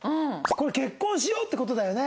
「これ結婚しようって事だよね？」